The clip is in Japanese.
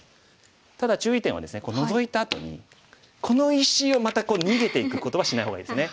ただ注意点はですねノゾいたあとにこの石をまた逃げていくことはしない方がいいですね。